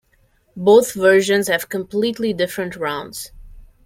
Both versions have completely different rounds.